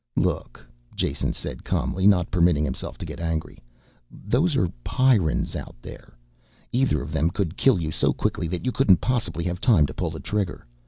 "Look," Jason said calmly, not permitting himself to get angry. "Those are Pyrrans out there. Either of them could kill you so quickly that you couldn't possibly have time to pull that trigger.